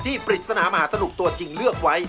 ปริศนามหาสนุกตัวจริงเลือกไว้